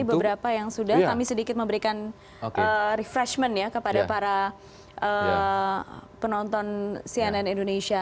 beberapa yang sudah kami sedikit memberikan refreshment ya kepada para penonton cnn indonesia